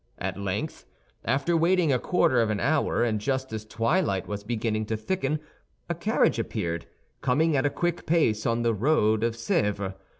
At length, after waiting a quarter of an hour and just as twilight was beginning to thicken, a carriage appeared, coming at a quick pace on the road of Sèvres.